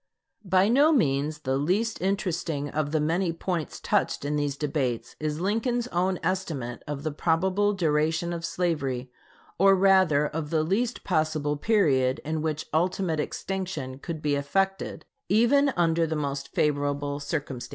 By no means the least interesting of the many points touched in these debates is Lincoln's own estimate of the probable duration of slavery, or rather of the least possible period in which "ultimate extinction" could be effected, even under the most favorable circumstances.